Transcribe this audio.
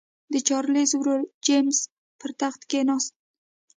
د چارلېز ورور جېمز پر تخت کېناست.